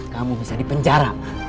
kamu bisa dipenjara